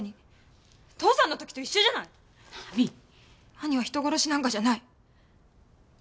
兄は人殺しなんかじゃない。